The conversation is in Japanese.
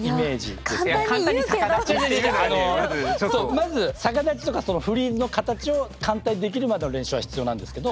まず逆立ちとかフリーズの形を簡単にできるまでの練習は必要なんですけど。